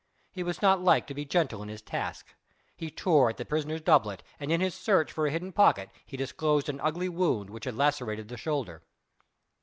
He was not like to be gentle in his task. He tore at the prisoner's doublet and in his search for a hidden pocket he disclosed an ugly wound which had lacerated the shoulder.